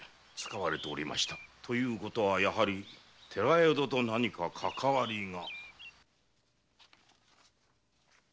ということはやはり寺宿と何かかかわりが？